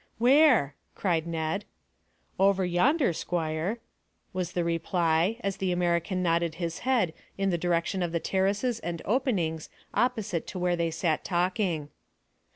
"Where?" cried Ned. "Over yonder, squire," was the reply, as the American nodded his head in the direction of the terraces and openings opposite to where they sat talking.